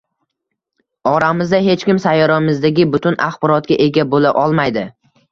— Oramizda hech kim sayyoramizdagi butun axborotga ega boʻla olmaydi.